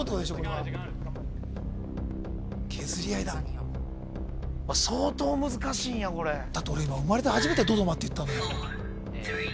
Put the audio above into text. これは削り合いだ相当難しいんやこれだって俺今生まれて初めてドドマって言ったんだもん